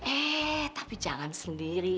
eh tapi jangan sendiri